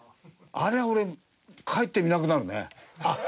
あれは俺かえって見なくなるね。